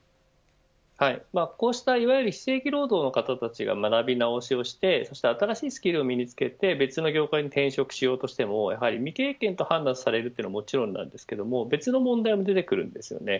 こうした非正規労働の方たちの学び直しをして新しいスキルを身につけて別の業界に転職しようとしてもやはり未経験と判断されるのはもちろんですが別の問題も出てきます。